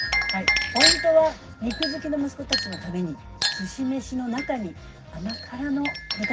ポイントは肉好きの息子たちのためにすし飯の中に甘辛の豚肉が隠れているところ。